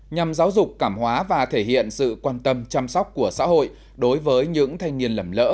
nhằm giáo dục cảm hóa và thể hiện sự quan tâm chăm sóc của xã hội đối với những thanh niên lầm lỡ